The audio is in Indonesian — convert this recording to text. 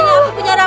rai pandas rai